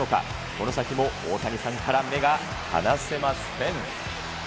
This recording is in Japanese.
この先も大谷さんから目が離せません。